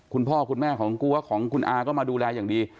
คุณพ่อคุณแม่ของกลัวของคุณอาก็มาดูแลอย่างดี